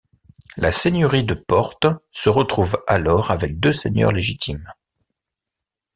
La seigneurie de Porte se retrouve alors avec deux seigneurs légitimes.